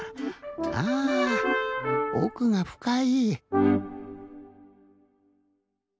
あぁおくがふかい。